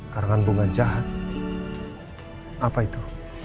karangan bunga jahat apa itu